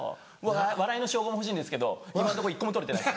笑いの称号も欲しいんですけど今のところ１個も取れてないです。